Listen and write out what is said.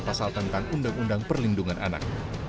pasal tentang undang undang perlindungan anak